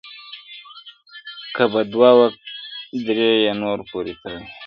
• که به دوه وه درې یې نور پوري تړلي -